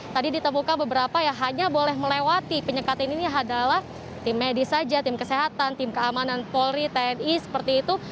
tadi ditemukan beberapa yang hanya boleh melewati penyekatan ini adalah tim medis saja tim kesehatan tim keamanan polri tni seperti itu